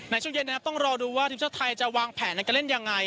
ในช่วงเย็นนะครับต้องรอดูว่าทีมชาติไทยจะวางแผนในการเล่นยังไง